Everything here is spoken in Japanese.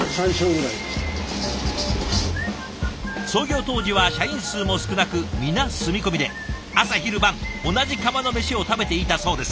創業当時は社員数も少なく皆住み込みで朝昼晩同じ釜の飯を食べていたそうです。